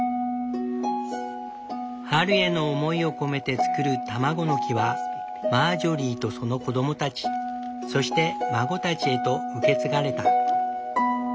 春への思いを込めて作る卵の木はマージョリーとその子供たちそして孫たちへと受け継がれた。